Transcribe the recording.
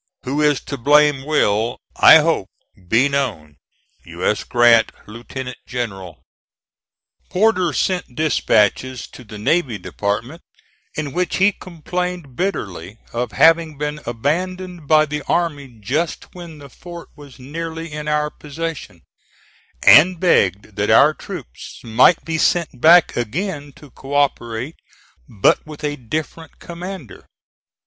Who is to blame will, I hope, be known. U. S. GRANT, Lieutenant General. Porter sent dispatches to the Navy Department in which he complained bitterly of having been abandoned by the army just when the fort was nearly in our possession, and begged that our troops might be sent back again to cooperate, but with a different commander.